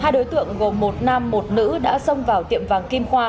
hai đối tượng gồm một nam một nữ đã xông vào tiệm vàng